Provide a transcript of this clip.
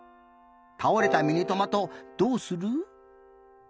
たおれたミニトマトどうする？